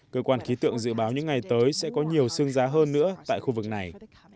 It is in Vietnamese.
cơ quan khí tượng dự báo những ngày tới sẽ có nhiều sương giá hơn nữa tại khu vực này